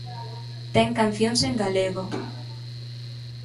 Ten cancións en galego.